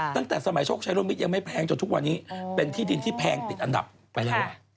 ตั้งแต่สมัยโชคชัยร่วมมิตรยังไม่แพงจนทุกวันนี้เป็นที่ดินที่แพงติดอันดับไปแล้ว